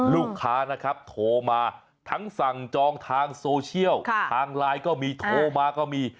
ลูกค้านะครับโทรมาทั้งสั่งจองทางโซเชียลทางไลน์ก็มีโทรมาก็มี